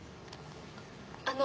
あの。